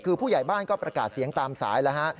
คือผู้ใหญ่บ้านก็ประกาศเสียงตามสายแล้วฮะ